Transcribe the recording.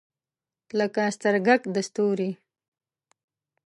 لکه سترګګ د ستوری